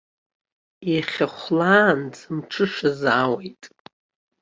Иахьа хәлаанӡа мҽышазаауеит.